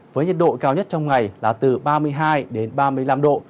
với nhiệt độ cao nhất trong ngày là từ ba mươi hai đến ba mươi năm độ